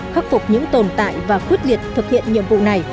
khắc phục những tồn tại và quyết liệt thực hiện nhiệm vụ này